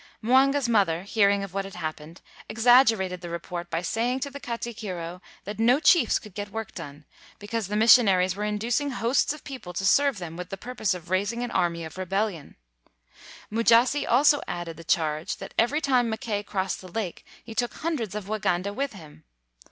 Mwanga's mother hearing of what had happened, exaggerated the report by saying to the katikiro that no chiefs could get work done, because the missionaries were inducing hosts of people to serve them with the purpose of raising an army of rebellion. 204 THREE BOY HEROES Mujasi also added the charge that every time Mackay crossed the lake, he took hun dreds of Waganda with him.